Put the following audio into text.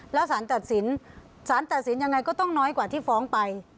แล้วสารตัดสินสารตัดสินยังไงก็ต้องน้อยกว่าที่ฟ้องไป